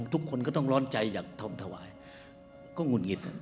ทุกคนก็ต้องร้อนใจอยากทำถวายก็หงุดหงิด